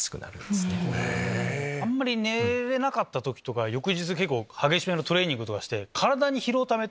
あんまり寝れなかった時とか翌日激しめのトレーニングとかして。